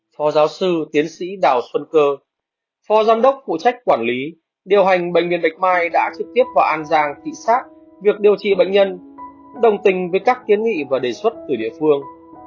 phó giáo sư tiến sĩ đào xuân cơ phó giám đốc phụ trách quản lý điều hành bệnh viện bạch mai đã trực tiếp vào an giang thị xác việc điều trị bệnh nhân đồng tình với các kiến nghị và đề xuất từ địa phương